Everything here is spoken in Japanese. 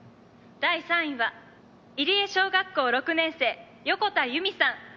「第３位は入江小学校６年生横田由美さん」